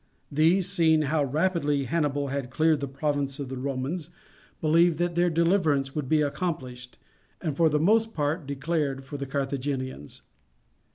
These, seeing how rapidly Hannibal had cleared the province of the Romans, believed that their deliverance would be accomplished, and for the most part declared for the Carthaginians.